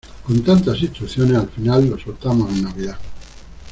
con tantas instrucciones, al final lo soltamos en Navidad.